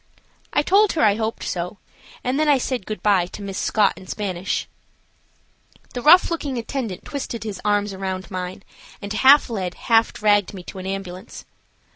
I told her I hoped so, and then I said good bye to Miss Scott in Spanish. The rough looking attendant twisted his arms around mine, and half led, half dragged me to an ambulance.